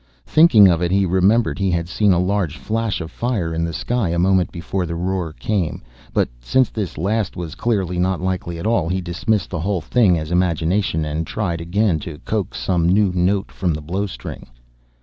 Thinking of it, he remembered he had seen a large flash of fire in the sky a moment before the roar came. But since this last was clearly not likely at all, he dismissed the whole thing as imagination and tried again to coax some new note from the blowstring.